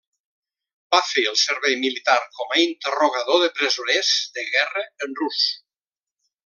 Va fer el servei militar com a interrogador de presoners de guerra en rus.